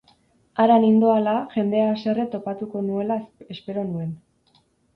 Hara nindoala, jendea haserre topatuko nuela espero nuen.